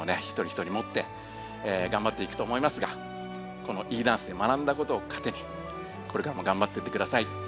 ひとりひとりもってがんばっていくと思いますがこのＥダンスで学んだことをかてにこれからもがんばっていってください。